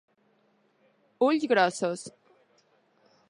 Ulls grossos.